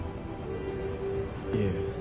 いえ。